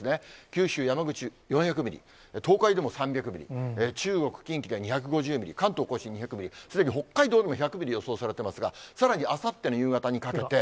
九州、山口４００ミリ、東海でも３００ミリ、中国、近畿が２５０ミリ、関東甲信でも２００ミリ、すでに北海道でも１００ミリ予想されてますが、さらにあさっての夕方にかけて。